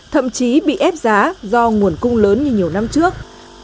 thậm chí bị ép giá do nguồn cung lớn như nhiều năm trước